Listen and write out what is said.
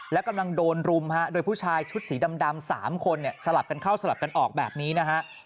และกำลังโดนรุมโดยผู้ชายชุดสีดำ๓คนสลับกันเข้าสลับกันออกแบบนี้นะฮะ